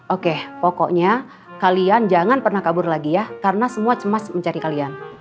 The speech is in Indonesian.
oke pokoknya kalian jangan pernah kabur lagi ya karena semua cemas mencari kalian